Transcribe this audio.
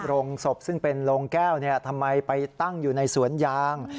โรงศพซึ่งเป็นโรงแก้วทำไมไปตั้งอยู่ในสวนยาง